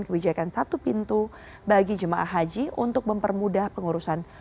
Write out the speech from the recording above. kebijakan satu pintu bagi jemaah haji untuk mempermudah pengurusan